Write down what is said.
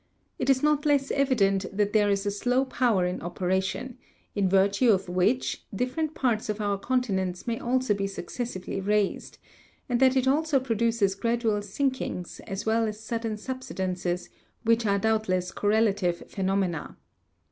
It is not less evident there is a slow power in operation, in virtue of which, different parts of our continents may also be successively raised ; and that it also produces gradual sinkings as well as sud den subsidences, which are doubtless correlative phenomena.